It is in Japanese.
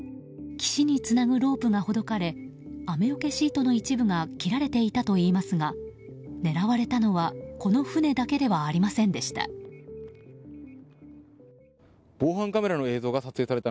岸につなぐロープがほどかれ雨よけシートの一部が切られていたといいますが狙われたのはこの船だけではありませんでした。